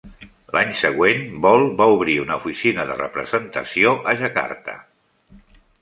L'any següent, BoI va obrir una oficina de representació a Jakarta.